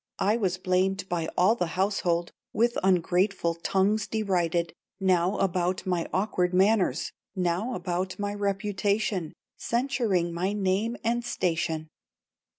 I was blamed by all the household, With ungrateful tongues derided, Now about my awkward manners, Now about my reputation, Censuring my name and station.